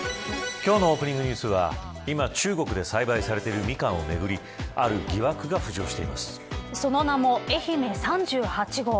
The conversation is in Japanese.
今日のオープニングニュースは今、中国で栽培されているミカンをめぐりその名も愛媛３８号。